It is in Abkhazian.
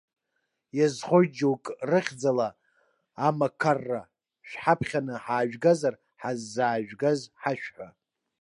Иазхоит џьоук рыхьӡала амақарра, шәҳаԥхьаны ҳаажәгазар, ҳаззаажәгаз ҳашәҳәа!